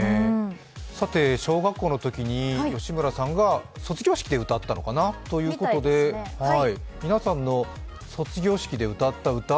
さて小学校のときに吉村さんが卒業式で歌ったということで皆さんの卒業式で歌った歌。